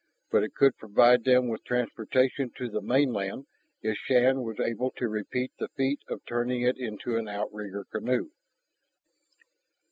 But it could provide them with transportation to the mainland if Shann was able to repeat the feat of turning it into an outrigger canoe.